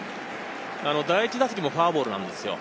第１打席もフォアボールなんですよ。